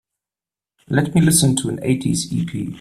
Let me listen to an eighties ep.